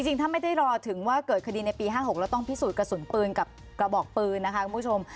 จริงถ้าไม่ได้รอถึงว่าเกิดคดีในปี๕๖แล้วต้องพิสูจน์กระสุนปืนกับกระบอกปืนนะคะคุณผู้ชม